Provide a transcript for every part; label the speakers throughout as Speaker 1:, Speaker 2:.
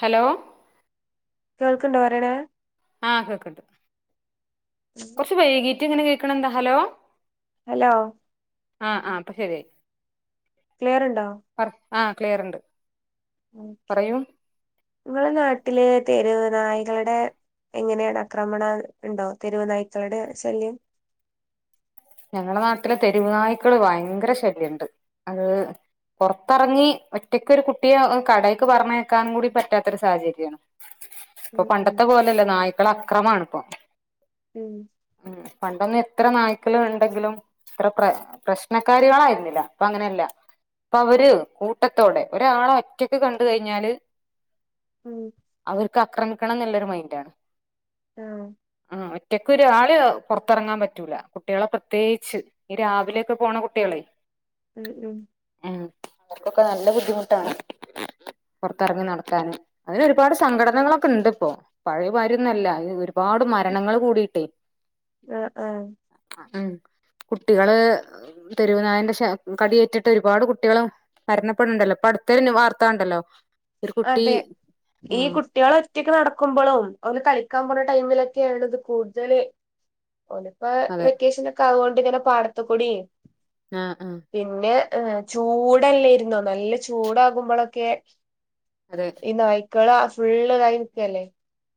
Speaker 1: Hello
Speaker 2: കേൾക്കുന്നുണ്ടോ പറയണ
Speaker 1: ആ കേക്കട്ട് കൊറച്ച് വൈകീട്ട ഇങ്ങനെ കേക്കണന്താ ഹലോ
Speaker 2: ഹലോ
Speaker 1: ആ ആഹ് ഇപ്പ ശരിയായി.
Speaker 2: ക്ലിയർ ണ്ടോ?
Speaker 1: ആ ക്ലിയർ ണ്ട്.
Speaker 2: ഓക്കെ. നമ്മളെ നാട്ടില് തെരുവ് നായ്കളുടെ എങ്ങനെയാണ് ആക്രമണം ഉണ്ടോ തെരുവ് നായ്ക്കളുടെ ശല്യം?
Speaker 1: ഞങ്ങളെ നാട്ടിലെ തെരുവു നായ്ക്കള് ഭയങ്കര ശല്യണ്ട്. അത് പുറത്തിറങ്ങി ഒറ്റക്കൊരു കുട്ടിയെ കടേക്ക് പറഞ്ഞയക്കാൻ കൂടി പറ്റാത്തൊരു സാഹചര്യാണ്. ഇപ്പൊ
Speaker 2: ഉം ഉം
Speaker 1: പണ്ടത്തെ പോലല്ല നായ്ക്കളാ. അക്രമാണ് പ്പം.
Speaker 2: ഉം
Speaker 1: ഉം പണ്ടൊന്നും ഇത്ര നായ് ക്കൾ ഇണ്ടെങ്കിലും ഇത്ര പ്ര പ്രശ്നക്കാരികളായിരുന്നില്ല. ഇപ്പൊ അങ്ങനെയല്ല. ഇപ്പ അവര് കൂട്ടത്തോടെ ഒരാളെ ഒറ്റക്ക് കണ്ടു കഴിഞ്ഞാല്
Speaker 2: ഉം
Speaker 1: ഓൽക്ക് ആക്രമിക്കണം എന്നുല്ലരു മൈൻഡ് ആണ്.
Speaker 2: ആഹ്
Speaker 1: റ്റയ്ക്ക് ഒരാളിം പുറത്തെറങ്ങാൻ പറ്റൂല കുട്ടിയേളെ പ്രത്യേകിച്ച്. ഈ രാവിലെയൊക്കെ പോണ കുട്ടിയേളെ.
Speaker 2: ഉം ഉം
Speaker 1: ഓര്ക്കൊക്കെ നല്ല ബുദ്ധിമുട്ടാണ്. പുറത്തിറങ്ങി നടക്കാന്. അതിനൊരു പാട് സംഘടനകളൊക്കെ ഇണ്ട് ഇപ്പോ. പഴയ മാര്യൊന്നല്ല ഒരുപാട് മരണങ്ങൾ കൂടിയിട്ടേ
Speaker 2: ആഹ് ആഹ്
Speaker 1: ഉം കുട്ടികള് തെരുവുനായന്റെ ശ കടിയേറ്റിട്ട് ഒരുപാട് കുട്ടികൾ മരണപ്പെട്ണ്ടല്ലോ. ഇപ്പട്ത്തൊര് വാർത്ത കണ്ടല്ലോ ഒരു കുട്ടി
Speaker 2: അതെ
Speaker 1: ആ
Speaker 2: ഈ കുട്ടികള് ഒറ്റക്ക് നടക്കുമ്പോഴും ഓര് കളി ക്കാൻ പോന്ന ടൈമിലൊക്കെയാണത് കൂടുതല് ഓന് ഇപ്പ
Speaker 1: അതെ
Speaker 2: വെക്കേഷൻ ഒക്കെ ആവോ വടെ ങ്ങനെ പാടത്തക്കൂട്യേ
Speaker 1: ആ ആ
Speaker 2: ഏ ചൂടല്ലേരുന്നോ? നല്ല ചൂടാകുമ്പളോക്കെ
Speaker 1: അതെ
Speaker 2: ഇന്ന ആയി കള ഫുള്ള്തായിക്കല്ലേ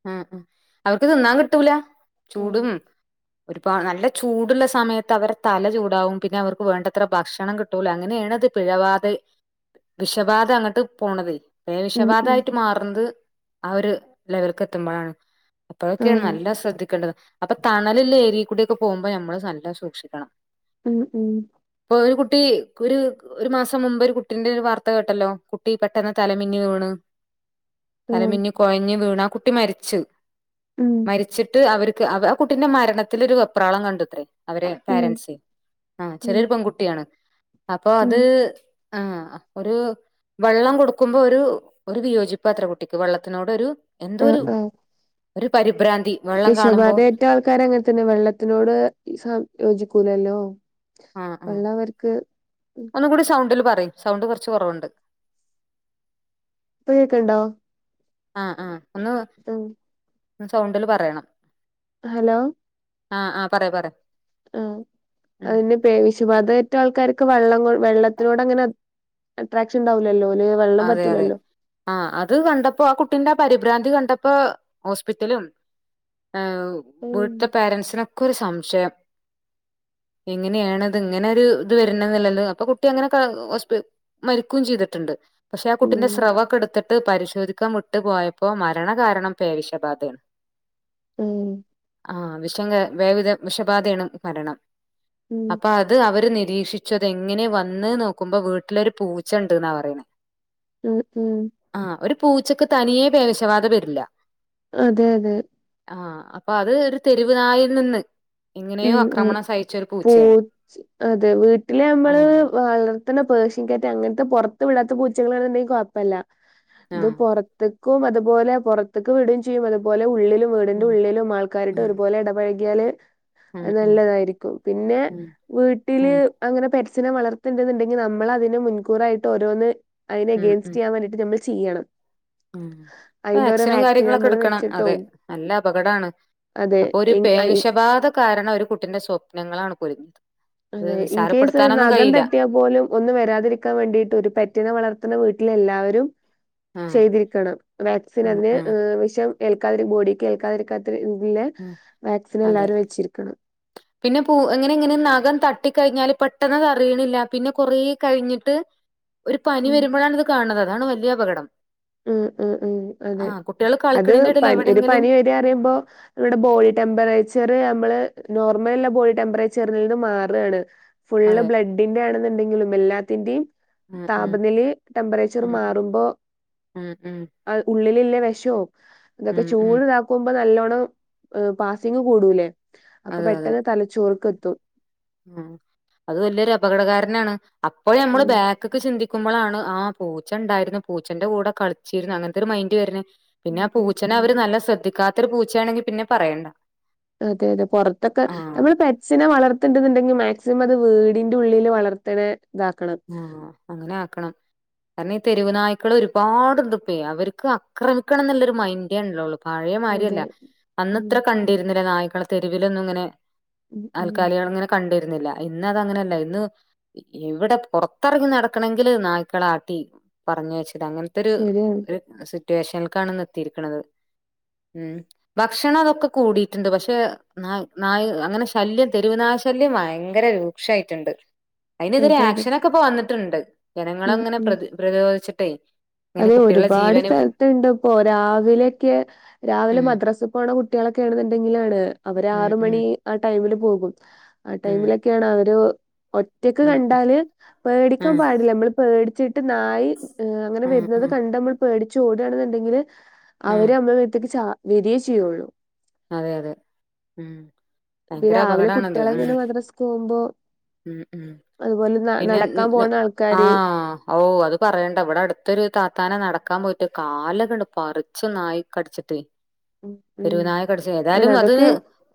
Speaker 1: ങ് ങ് അവർക്ക് തിന്നാൻ കിട്ടൂല.
Speaker 2: ഉം
Speaker 1: ചൂടും ഒരുപാ നല്ല ചൂടുള്ള സമയത്ത് അവരെ തല ചൂടാവും. പിന്നെ അവർക്ക് വേണ്ടത്ര ഭക്ഷണം കിട്ടൂല. അങ്ങനെയണത് പിഴബാധേ വിഷബാധ അങ്ങോട്ട് പോണതേയ് പേ
Speaker 2: ഉം
Speaker 1: വിഷബാധ
Speaker 2: ഉം
Speaker 1: ആയിട്ട് മാറണത് ആ ഒരു ലെവൽക്ക് എത്ത് ത്തുമ്മാണ്. അപ്പോഴൊക്കെയാണ് നല്ലോ ശ്രദ്ധിക്കേണ്ടത്. അപ്പ തണലുള്ള ഏരിയക്കൂടി ഒക്കെ പോകുമ്പോ നമ്മള് നല്ലോ സൂക്ഷിക്കണം.
Speaker 2: ഉം ഉം
Speaker 1: ഇപ്പൊ ഒരു കുട്ടി ഒര് ഒരുമാസം മുമ്പേ ഒരു കുട്ടിന്റെ ഒരു വാർത്ത കേട്ടല്ലോ. കുട്ടി പെട്ടന്ന് തലമിന്നി വീണ്.
Speaker 2: ഉം
Speaker 1: തലമിന്നി കൊഴഞ്ഞ് വീണ ട്ടി മരിച്ചു.
Speaker 2: ഉം
Speaker 1: മരിച്ചിട്ട് അവര് അവ ആ കുട്ടിന്റെ മരണത്തില് ഒര് വെപ്രാളം കണ്ടുത്രേ. അവരേ
Speaker 2: ഉം
Speaker 1: പാരൻസേ. ആഹ്
Speaker 2: ഉം
Speaker 1: ചെറ്യൊരു പെങ്കുട്ട്യാണ്. അപ്പോ
Speaker 2: ഉം
Speaker 1: അത് ആഹ് ഒരു വെള്ളം കൊടുക്കുമ്പോ ഒരു ഒരു വിയോജിപ്പാത്ര കുട്ടിക്ക്. വെള്ളത്തിനോട് ഒരു എന്തോ
Speaker 2: ങ്ഹ്
Speaker 1: ഒരു
Speaker 2: ങ്ഹ്
Speaker 1: ഒരു പര്
Speaker 2: വിഷബാധയേറ്റ ആൾക്കാര് അങ്ങനെ തന്നെ വെള്ളത്തിനോട്‌ ഇ സം യോജി ക്കൂലല്ലോ
Speaker 1: ആ ആ.
Speaker 2: ഇപ്പ
Speaker 1: ഒന്നും കൂടി സൗണ്ടില് പ റയൂ സൗണ്ട് കൊറച്ച് കൊറവുണ്ട്.
Speaker 2: ഇപ്പ കേക്ക്ണ്ടോ?
Speaker 1: ആ ആ ഒന്ന്
Speaker 2: ഉം
Speaker 1: സൗണ്ടില് പറയണം.
Speaker 2: ഹലോ
Speaker 1: ആഹ് ആഹ് പറയ് പറ
Speaker 2: ആ അതിന് പേ വിഷബാധ ഏറ്റ ആൾക്കാര് ക്ക് വെള്ളം കൊ വെള്ളത്തിനോട് അങ്ങനെ അട്രാക്ഷൻ ഇണ്ടാവൂ
Speaker 1: അതെ അതെ ആ അത് കണ്ടപ്പോ ആ കുട്ടിന്റെ ആ പരിഭ്രാന്തി കണ്ട പ്പൊ ഹോസ്പിറ്റലും. എ്
Speaker 2: ഉം
Speaker 1: വീട്ടിലെ പാരന്റ്സിനൊ ക്ക് ഒരു സംശയം എങ്ങനെയാണത് ഇങ്ങനെ ഒരു ഇത് വരണംന്നില്ലല്ലോ അപ്പൊ കുട്ടി അങ്ങനെ ക്ലാ ഹോസ്‌പി മരിക്കും ചീതിട്ട്ണ്ട് പക്ഷെ ആ കുട്ടിന്റെ
Speaker 2: ഉം
Speaker 1: സ്രവൊക്കെ എടുത്തിട്ട് പരിശോധിക്ക ക്കാൻ വിട്ട് പോയപ്പോ മരണ കാരണം പേവിഷബാധാണ്
Speaker 2: ഉം
Speaker 1: ക്ഷേങ്കേ വേവിധ വിഷബാധയാണ് പരണ്
Speaker 2: ഉം
Speaker 1: അപ്പൊ അത് അവ നിരീക്ഷിച്ചു അത എങ്ങനെയെ വന്ന് നോക്കുമ്പോ വീട്ടിലൊരു പൂച്ച ഉണ്ട്ന്നാ പറയേ
Speaker 2: ഉം ഉം
Speaker 1: ആ ഒരു പൂച്ചക്ക് തനിയെ വിഷബാധ വരില്ല
Speaker 2: അതെ അതെ
Speaker 1: ആ അപ്പൊ അത് ഒരു തെരുവ് നായിൽ നിന്ന് എങ്ങനെയോ
Speaker 2: ഉം അതെ
Speaker 1: ആക്രമണം സഹിച്ച ഒരു
Speaker 2: പൂ
Speaker 1: പൂച്ചയാണ്
Speaker 2: അതെ വീട്ടിലെ നമ്മള്
Speaker 1: ആഹ്
Speaker 2: വളർ പത്തന പേർഷ്യൻ ക്യാറ്റ് അങ്ങനത്തെ പുറത്ത് വിടത്ത പൂച്ചളാുണ്ടെങ്കിൽ കുഴപ്പമില്ല. ഇത്
Speaker 1: ആഹ്
Speaker 2: പോറത്ത്. കും അതുപോലെ പുറത്തേക്ക് വിടുകയും ചെയ്യും അതുപോലെ ഉള്ളിൽ വീടിന്റെ
Speaker 1: ഉം
Speaker 2: ഉള്ളിലും ആൾക്കാരട്ട്
Speaker 1: ഉം
Speaker 2: ഒരുപലെ ഇടപഴകി എല്
Speaker 1: ഉം
Speaker 2: അത്
Speaker 1: ഉം
Speaker 2: നല്ലതായിരിക്കും പിന്നെ
Speaker 1: ഉം
Speaker 2: വീട്ടില്
Speaker 1: ഉം
Speaker 2: അങ്ങനെ പ പൂച്ചെന വളർത്തണ്ടുന്നുണ്ടങ്കിൽ നമ്മളത്തിന് മുൻകൂറായിട്ട് ഓരോന്ന് അതിനെഗയിസ് ചെയാൻ വേണ്ടയി്മ്മൾ ചെയ്യണം.
Speaker 1: ഉ
Speaker 2: അതിന്റെ ഓരോ
Speaker 1: വാക്സിനും
Speaker 2: വാക്സിൻ
Speaker 1: കാര്യങ്ങളൊക്കെ
Speaker 2: നമ്മൾ
Speaker 1: എടുക്കണം
Speaker 2: വെച്ചിട്ടും
Speaker 1: അതെ നല്ല അപകടമാണ്
Speaker 2: അതെ
Speaker 1: അപ്പൊ ഒരു
Speaker 2: ഇൻ- ഐ-
Speaker 1: പേവിഷബാധ കാരണം ഒരു കുട്ടിന്റെ സ്വപ്നങ്ങളാണ് കുരുഞ്ഞത് [unintelligible]
Speaker 2: അതെ ഇൻകേസ് നഖം തട്ടിയാൽ പോലും ഒന്ന് വരാതിരിക്കാൻ വേണ്ടിട്ട് ഒരു പെറ്റിനെ വളർത്തുന്ന വീട്ടിൽ എല്ലാവരും
Speaker 1: ആഹ്
Speaker 2: ചെയ്തിരിക്കണം വാക്സിൻ
Speaker 1: ആഹ്
Speaker 2: അതിന്
Speaker 1: ആഹ്
Speaker 2: വിശം കേൾക്കാതും കൂടി കേക്കാതെരിക്കാ എങ്കിലെ
Speaker 1: ആഹ്
Speaker 2: വാക്സിൻ
Speaker 1: അതെ
Speaker 2: എല്ലാരും വെച്ചിരിക്കണം.
Speaker 1: തട്ടി കഴിഞ്ഞാല് പെട്ടെന്ന് അറിയണില്ല പിന്നെ കൊറേ കഴിഞ്ഞിട്ട് ഒരു പനി
Speaker 2: ഉം
Speaker 1: വരുമ്പോഴാണ് ഇത് കാണുന്നത് അതാണ് വലിയ അപകടം
Speaker 2: ഉം ഉ ഉം അതെ
Speaker 1: ആഹ് കുട്ടികൾ
Speaker 2: അത്
Speaker 1: കളിക്കണിന്റെ ഇടയിൽ
Speaker 2: ഒരു
Speaker 1: എവിടെയെങ്കിലും
Speaker 2: പനി വരെ അറിയുമ്പോ നമ്മുടെ ബോഡി ടെമ്പറേച്ചറ് നമ്മള് നോർമൽള്ള ബോഡി ടെമ്പറേച്ചറിൽ നിന്ന് മാറകാണ് ഫുള്
Speaker 1: അതെ
Speaker 2: ബ്ലഡിന്റെ ആണെന്നുണ്ടെങ്കിലും വല്ലാതെ [unintelligible]
Speaker 1: ഉം ഉം
Speaker 2: താപനിലയും ടെമ്പറേച്ചറും
Speaker 1: ഉം
Speaker 2: മാറുമ്പോ
Speaker 1: ഉം ഉം
Speaker 2: [unintelligible] [unintelligible] അതൊക്കെ
Speaker 1: ഉം ഉം
Speaker 2: ചൂട്ള്ളാക്കുമ്പോ നല്ലോണം പാസിങ് കൂടൂല്ലേ അപ്പൊ
Speaker 1: അതെ അതെ
Speaker 2: പെട്ടെന്ന് തലച്ചോർക്ക് തു
Speaker 1: ഉം അത് വലിയൊരു അപകടകാരനാണ് അപ്പോഴ ഞമ്മള്
Speaker 2: ഉം
Speaker 1: ബാക്ക്ക് ചിന്തി ക്കുമ്പോഴാണ് ആഹ് പൂച്ചണ്ടായിരുന്നു പൂച്ചന്റെ കൂടെ കളിച്ചിരുന്നു അങ്ങനത്തൊരു മൈന്റ് വരുണെ പിന്നെ
Speaker 2: ഉം
Speaker 1: ആ
Speaker 2: ഉം
Speaker 1: പൂച്ചനെ
Speaker 2: ഉം
Speaker 1: അവര് നല്ല ശ്രദ്ധിക്കാ എത്ര പൂച്ചയാണെങ്കിൽ പിന്നെ പറയണ്ട.
Speaker 2: അതെ അതെ പുറത്തൊക്കെ
Speaker 1: ആഹ്
Speaker 2: നമ്മള് പെറ്റ്സിനെ വളർ ത്തുന്നുണ്ടെങ്കിൽ മാക്സിമം അത് വീടിന്റെ ഉള്ളില് വളർത്ത്ണ ഇതാക്കണം.
Speaker 1: ആഹ് അങ്ങനെ ആക്കണം കാരണം ഈ തെരുവു നായ്ക്കൾ ഒരുപാടുണ്ട് ഇപ്പൊ അവർക്ക് അക്രമിക്കണം എന്നുള്ളൊരു മൈൻഡേ ഇണ്ടാവൊള്ളൂ. പഴയ
Speaker 2: അതെ
Speaker 1: മാരിയല്ല അന്ന
Speaker 2: ഉം
Speaker 1: ഇത്ര കണ്ടിരുന്നില്ല നായ് മക്കളെ തെരുവിലൊന്നും ഇങ്ങനെ
Speaker 2: ഉം ഉം
Speaker 1: നാൽക്കാലിയാണ് അങ്ങനെ കണ്ടി രുന്നില്ല ഇന്ന അത അങ്ങനെയല്ല ഇന്ന് എവിടെ പുറത്തിറങ്ങി നടക്കണെങ്കില് നായ്ക്കളാട്ടി പറഞ്ഞയച്ച് അങ്ങനത്തൊരു
Speaker 2: ശരിയാണ്
Speaker 1: ഒരു റ്റുവേഷൽക്കാണ് ഇന്ന് എത്തിയിരിക്ക്ണത് ഉം ഭക്ഷണം അതൊക്കെ കൂടിയിട്ടുണ്ട് പക്ഷെ ന നായ അങ്ങനെ ശല്യം തെരുവുനായ ശല്യം ഭയങ്കര രൂക്ഷായിട്ടുണ്ട് അതിനനെതിരെ
Speaker 2: അതെ അതെ
Speaker 1: ആക്ഷന ക്കപ്പോ വന്നിട്ടുണ്ട്
Speaker 2: ഉം
Speaker 1: ജനങ്ങളങ്ങനെ
Speaker 2: ഉം
Speaker 1: പ്ര പ്രതിരോധിച്ചി ട്ട്
Speaker 2: അതെ ഒരുപാട് സ്ഥലത്തുണ്ട് ഇപ്പോ രാവിലെക്കെ രാവിലെ
Speaker 1: ഉം
Speaker 2: മദ്രാസിൽ പോണ കു കുട്ടികളൊക്കെ ആണന്നുണ്ടങ്കി ലാണ് അവര്
Speaker 1: ഉം
Speaker 2: ആറ്
Speaker 1: ഉം
Speaker 2: മണി ആ ടൈമിൽ പോകു ആ
Speaker 1: ഉം
Speaker 2: ടൈമിലൊക്കെയാണ് അവര് ഒറ്റക്ക്
Speaker 1: ഉം
Speaker 2: കണ്ടാല് പേടിക്കാൻ
Speaker 1: ഉം
Speaker 2: പാടില്ല നമ്മള് പേടി [unintelligible] അങ്ങനെ
Speaker 1: ഉം
Speaker 2: വരൂ ന്നത്
Speaker 1: ഉം
Speaker 2: കണ്ട നമ്മൾ പേടി ചൂടാണനെണ്ടണെങ്കില്
Speaker 1: ഉം
Speaker 2: അവര് നമ്മളെ മേത്തുകു ചാ വരിയേ ചെയ്യുള്ളൂ
Speaker 1: അതെ അതെ മ്
Speaker 2: പിന്നെ
Speaker 1: ഭയങ്കര
Speaker 2: രാവിലെ
Speaker 1: അപകടാണത്
Speaker 2: കുട്ടികളെ ഇങ്ങനെ
Speaker 1: മ്
Speaker 2: മദ്രസക്ക് പോകുമ്പോ
Speaker 1: മ് മ്
Speaker 2: അതുപോലെ ന-
Speaker 1: പിന്നെ
Speaker 2: നടക്കാൻ
Speaker 1: ന്ന
Speaker 2: പോണ ആൾക്കാര്
Speaker 1: ആഹ് ഓഹ് അത് പറയണ്ട ഇവിടെ അട്ത്തൊരു താത്താനെ നടക്കാൻ പോയിട്ട് കാലോക്കണ്ട് പറിച്ച് നായ് കടിച്ചിട്ട്
Speaker 2: മ് മ്
Speaker 1: തെരുവ് നായ കടിച്ച് ഏതായാലും അത്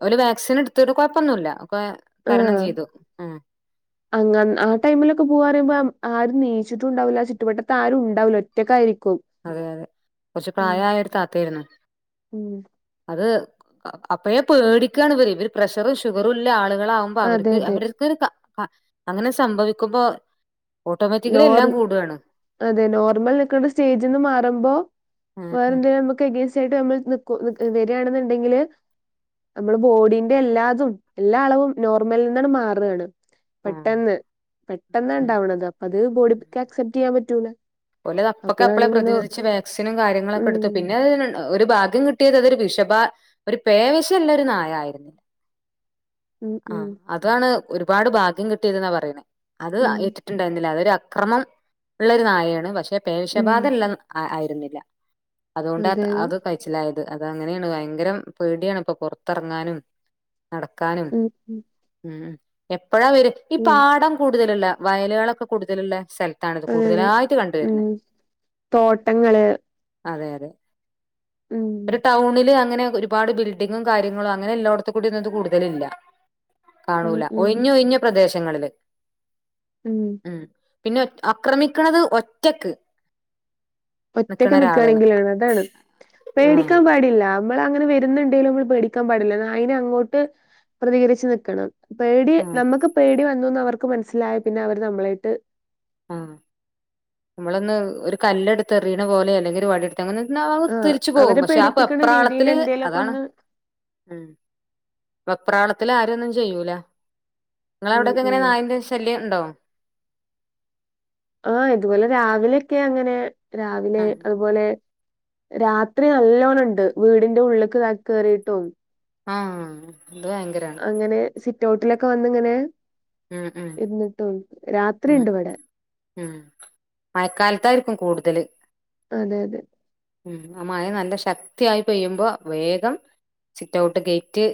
Speaker 1: ഓല് വാക് സിൻ ഇട്ത്തിട്ട് കെഴപ്പന്നുല്ല.
Speaker 2: ആഹ് അങ്ങന്ന് ആ ടൈമിലൊക്കെ പോവാന്നറയുമ്പം ആരും നീച്ച്ട്ടുണ്ടാവൂല ചുറ്റുവട്ടത്താരുണ്ടാവൂല ഒറ്റക്കായിരി
Speaker 1: അതെ അതെ കൊറച്ചു പ്രായായൊരുതാത്തേര്ന്നു.
Speaker 2: ഉം
Speaker 1: അത് അപ്പഴേ പേടിക്കാണ് ഇവര്. ഇവര് പ്രഷറും ഷുഗറുല്ല ആള്. കളാവുമ്പോ
Speaker 2: അതെ
Speaker 1: അവര്ക്ക്
Speaker 2: അതെ
Speaker 1: അവര്ക്കൊരുക ക അങ്ങനെ സംഭവിക്കുമ്പോ ഓട്ടോമാറ്റിക്കലി
Speaker 2: നോർ
Speaker 1: എല്ലാം കൂടാണ്
Speaker 2: അതെ നോർമൽ നിക്ക സ്റ്റേജ്ന്ന് മാറുമ്പോ
Speaker 1: ഉം ഉം
Speaker 2: വേറെന്തേലും നമുക്ക് എഗൈനി തീർച്ചയായിട്ട് നമ്മൾ വരാന്ന്ണ്ടെങ്കില് നമ്മള് ബോഡീന്റെ എല്ലാതും എല്ലാ അളവും നോർമൽ നിന്നാണ് മാറ്ആണ്
Speaker 1: ആഹ്
Speaker 2: പെട്ടെന്ന് പെട്ടെന്നാണ്ടാവണത് അപ് അത് ബോഡിമ്മക്ക് അക്‌സെപ്റ്റ് ചെയ്യാൻ പ റ്റൂല
Speaker 1: പോലെ അത് അപ്പൊക്കെ അപ്പോളെ പ്രതിരോധിച്ച് വാക്സിനും കാര്യങ്ങളൊക്കെ
Speaker 2: ഉം
Speaker 1: എട്ത്തു പിന്നെ ഒരു ഭാഗ്യം കിട്ടിയത് അതൊരു വിഷഭാ ഒരു പേവിഷല്ലൊരു നായായിര്ന്നു
Speaker 2: ഉം ഉം
Speaker 1: ആഹ് അതാണ് ഒരുപാട് ഭാഗ്യം കിട്ടിയത് ന്നാ പറയ്ണേ അത്
Speaker 2: ഉം
Speaker 1: ഏറ്റിട്ട്ണ്ടായിര്ന്നില അതൊരു അക് അക്രമം ഉള്ളൊരു നായേണ് പഷെ പക്ഷെ
Speaker 2: ഉം
Speaker 1: പേവിഷബാധല്ല ഐ ന്നില്ല അതുകൊണ്ട് അത്
Speaker 2: അതെ അതെ
Speaker 1: അത് കയിച്ചിലായത് അത് അങ്ങനെണ് ഭയങ്കരം പേടിയാണ് ഇപ്പം പൊർത്തെർങ്ങാനും, നടക്കാനും
Speaker 2: ഉം ഉം
Speaker 1: ഉം എപ് പ്പഴാ വെരാ ഈ
Speaker 2: ഉം
Speaker 1: പാടം കൂടുതല്ള്ള വയലുകളൊക്കെ കൂടുതല്ള്ളേ
Speaker 2: അതെ അതെ ഉം തോട്ടങ്ങള്
Speaker 1: അതെ അതെ
Speaker 2: ഉം
Speaker 1: ഒരു ടൗണില് അങ്ങ് അങ്ങനെ ഒരുപാട് ബിൽഡിങ്ങും കാര്യങ്ങളും അങ്ങനെ എല്ലോടത്ത് കൂടി ഒന്നും ഇത് കൂടുതലില്ല
Speaker 2: ഉം
Speaker 1: കാണൂല
Speaker 2: ഉം
Speaker 1: ഒഴിഞ്ഞ് ഒഴിഞ്ഞ പ്രദേശം ങ്ങളില്
Speaker 2: ഉം
Speaker 1: പിന്നെ ഒറ്റ് ആക്രമിക്കണത് ഒറ്റക്ക് നിക്കണ
Speaker 2: ഒറ്റക്ക്
Speaker 1: ഒരാളെയാണ്
Speaker 2: നിക്കാണെങ്കിലാണ് അതാണ്
Speaker 1: ആഹ്
Speaker 2: പേടിക്കാൻ പാടില്ല നമ്മള് അങ്ങനെ വരുന്നുണ്ടേലും നമ്മള് പേടിക്കാൻ പാടില്ല അതിനെ അങ്ങോട്ട് പ്രതികരിച്ച് നിക്കണം പേടി
Speaker 1: ആഹ്
Speaker 2: നമുക്ക് പേടി വന്നൂന്ന് [unintelligible] [unintelligible] മനസ്സിലായ പിന്നെ അവര് നമ്മളെയിട്ട്
Speaker 1: ആ നമ്മളൊന്ന് ഒരു കല്ല് എടുത്ത് എറിയണ പോലെ അല്ലെങ്കിൽ ഒരു വടിയെടു [unintelligible]
Speaker 2: ആഹ്
Speaker 1: തിരിച്ചു പോവും
Speaker 2: അവരെ
Speaker 1: പക്ഷെ ആ
Speaker 2: പേടിപ്പിക്കണ രീതിയിൽ
Speaker 1: വെപ്രാളത്തില്
Speaker 2: എന്തേലൊക്കെ
Speaker 1: അതാണ്
Speaker 2: ഒന്ന്
Speaker 1: ആഹ് വെപ്രാളത്തില് ആരെ ഒന്നും ചെയ്യൂല നിങ്ങളെ
Speaker 2: ഉം
Speaker 1: അവിടൊക്കെ എങ്ങനെ
Speaker 2: ഉം
Speaker 1: നായിന്റെ ശല്യം ഇണ്ടോ
Speaker 2: ആ ഇതുപോലെ രാവിലെയൊക്കെ അങ്ങനെ രാവിലെ
Speaker 1: ആഹ്
Speaker 2: അതുപോലെ രാത്രി നല്ലവണ്ണം ഉണ്ട് വീടിന്റെ ഉള്ളിക്ക് ക കയറിട്ടും.
Speaker 1: ആഹ് അത് ഭയങ്കരാണ്
Speaker 2: അങ്ങനെ സിറ്റൗട്ടിലെ ക്കെ വന്നിങ്ങനെ
Speaker 1: ഉം
Speaker 2: ഇരുന്നിട്ടും
Speaker 1: ഉം മ്
Speaker 2: രാത്രിണ്ട് ഇവിടെ
Speaker 1: മ് മഴക്കാലത്തായിരിക്കും കൂടുതല്
Speaker 2: അതെ അതെ
Speaker 1: ഉം അ മഴ നല്ല ശക്തിയായി പെയ്യുമ്പോ വേഗം സിറ്റ് ഔട്ട് ഗേറ്റ്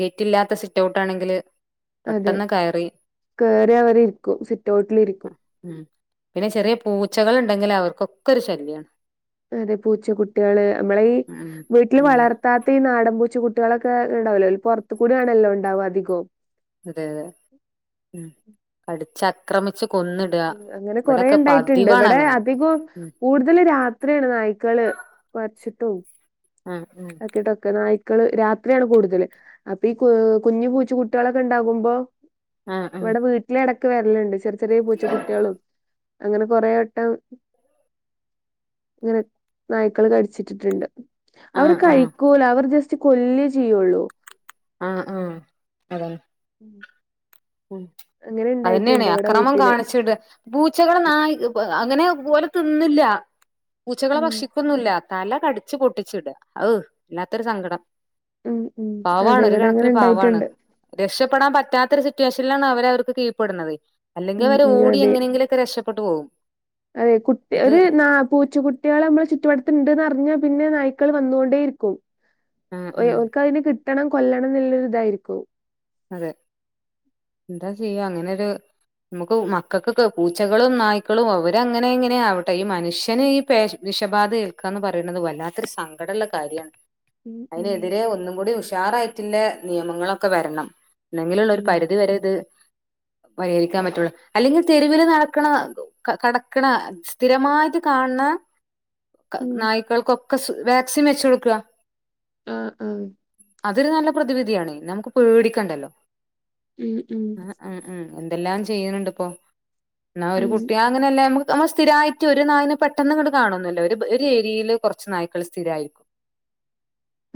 Speaker 1: ഗേറ്റ് ഇല്ലാത്ത സിറ്റ് ഔട്ട് ആണെങ്കില്
Speaker 2: അതെ
Speaker 1: പെട്ടെന്ന് കയറി
Speaker 2: കേറി അവരിക്കും സിറ്റ് ഔട്ടിലിരിക്കും
Speaker 1: ഉം പിന്നെ ചെറിയ പൂച്ചകൾ ഉണ്ടെങ്കിൽ അവർക്കൊക്കെ ഒരു ശല്യമാണ്
Speaker 2: അതെ പൂച്ചകുട്ടികള് നമ്മള ഈ
Speaker 1: ഉം
Speaker 2: വീട്ടിൽ
Speaker 1: ഉം
Speaker 2: വളർത്താത്ത ഈ നാടൻ പൂച്ചക്കുട്ടി കുട്ടികളൊക്കെ ഉണ്ടാവല്ലോ പുറത്ത് കൂടെ ആണല്ലോ ഉണ്ടാവും അധികവും
Speaker 1: അതെ അതെ ഉം കടിച്ചാ ആക്രമിച്ചു
Speaker 2: അങ്ങനെ കൊറെ ഉണ്ടായിട്ടുണ്ട് ഇവിടെ
Speaker 1: അങ്ങനെ
Speaker 2: അധികം
Speaker 1: ഉം
Speaker 2: കൂടുതൽ രാത്രിയാണ് നായ്ക്കള് കുരച്ച് ട്ടും
Speaker 1: ആഹ്
Speaker 2: ആക്കിടൊക്കെ നായി ക്കള് രാത്രിയാണ് കൂടുതല് അപ്പൊ ഈ കുഞ്ഞ് പൂച്ചു കുട്ടികളൊക്കെ ഉണ്ടാകുമ്പോ
Speaker 1: ആഹ്
Speaker 2: ഇവിടെ വീട്ടിലട വെരൽ ഉണ്ട് ചെറി ചെറിയ പൂച്ച കുട്ടികളും- അങ്ങനെ കൊറെ വട്ടം ഇങ്ങനെ നായ്ക്കൾ കടിച്ചിട്ടിട്ടുണ്ട്-
Speaker 1: ആഹ്
Speaker 2: അവർ
Speaker 1: ആഹ് ആഹ്
Speaker 2: കഴിക്കൂല അവർ ജസ്റ്റ് കൊല്ലീ ചെയ്യുള്ളൂ-
Speaker 1: ആ ആ അതാണ്-
Speaker 2: [inaudible]
Speaker 1: ഉം
Speaker 2: അങ്ങനെ
Speaker 1: അതന്നെയണേ
Speaker 2: ഇണ്ടായിട്ടുണ്ട് ഇവിടെ
Speaker 1: അക്രമം
Speaker 2: വീട്ടില്
Speaker 1: കാണിച്ചിട് പൂച്ചകള ന അങ്ങനെ പോല് തിന്നില്ലാ- പൂച്ചകളെ
Speaker 2: ഉം
Speaker 1: ഭക്ഷിക്കുന്നൂല്ല- തല കടിച്ചു പൊട്ടിച്ചിടുക ഔ വ ല്ലാത്തൊരു സങ്കടം-
Speaker 2: ഉം ഉം
Speaker 1: പവാണ്
Speaker 2: അതെ
Speaker 1: ഒരു
Speaker 2: ഇവിടെ അങ്ങനെ
Speaker 1: കണക്കിന് പാവാണ്
Speaker 2: ഇണ്ടായിട്ടുണ്ട്
Speaker 1: രക്ഷപ്പെടാൻ പറ്റ പറ്റാത്ത സി- ത്യാശയിലാണ് അവര അവർക്ക് കീ്ഴ്പെടുന്നത് അല്ലെങ്കിൽ
Speaker 2: ഉം
Speaker 1: അവര്
Speaker 2: ഉം
Speaker 1: ഓടി
Speaker 2: അതെ
Speaker 1: എങ്ങനെങ്കിലൊക്കെ രക്ഷപ് പെട്ട് പോകും
Speaker 2: അതെ കുട്ടി
Speaker 1: ഇത്
Speaker 2: ഒരു നാ പൂച്ച കുട്ട്യാള് നമ്മളെ ചുറ്റുവട്ടത്ത്ണ്ട്ന്ന് അർഞ്ഞ പിന്നെ നായ്ക്കൾ വന്നുകൊണ്ടേ ർക്കും
Speaker 1: ഉം ഉം
Speaker 2: ഓൽക്കതിനെ കിട്ട് കിട്ടണം കൊല്ലണം എന്നുള്ള ഇതായിരിക്കും
Speaker 1: അതെ എന്താ ചെയ്യ അങ്ങനെരു നമുക്ക് മക്കകൊക്കെ പൂച്ചകളും നായ്ക്കളും അവര അങ്ങനെ ഇങ്ങനെ ആവട്ടെ ഈ മനുഷ്യന് ഈ പേ വിഷബാധ ഏൽക്കാ എന്ന് പറയുന്നത് വല്ലാത്തരു സങ്കടള്ള കാര്യാണ്
Speaker 2: ഉം ഉം
Speaker 1: അയ്നെതിരെ ഒന്നും കൂടി ഉഷ് സ്റ്റാറായിട്ടുള്ളെ നിയമങ്ങളൊക്കെ വരണം ഇന്നങ്കിലുള്ളൊരു ഒരു
Speaker 2: ഉം
Speaker 1: പരിധി വരെ ഇത് പരിഹരിക്കാൻ പറ്റുള്ളൂ അല്ലെങ്കിൽ തെരുവില് നടക്ക്ണ കടക്ക്ണ സ്ഥിരമായിട്ട്, കാണ് ണ
Speaker 2: ഉം
Speaker 1: നായ്ക്കൾക്കൊ ക്കെ വാക്സിൻ വെച്ചോട്ക്കാ
Speaker 2: ആ ആ
Speaker 1: അതൊരു നല്ല പ്രതിവിധിയാണ് നമുക്ക് പേടി ക്കണ്ടല്ലോ
Speaker 2: ഉം ഉം
Speaker 1: ആ ആ ആ എന്തെല്ലാം ചെയ്യിനിണ്ട്പ്പോ എന്ന ഒരു
Speaker 2: ഉം
Speaker 1: കുട്ടി അങ്ങനെയല്ലേ നമ നമ്മ സ്ഥിരായിട്ട് ഒരു നായന് പെട്ടന്നി ങ്ങട്ട് കാണോന്നുല്ല ഒരു ഒരേരിയയില് കുറച്ച് നായ്ക്കൾ സ്ഥിരായിരിക്കും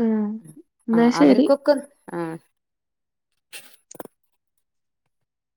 Speaker 2: ആഹ്
Speaker 1: മ് ആ
Speaker 2: എന്നാ ശരി
Speaker 1: അവർക്കൊക്കെ ആ